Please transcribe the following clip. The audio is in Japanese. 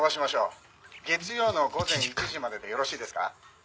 「月曜の午前１時まででよろしいですか？」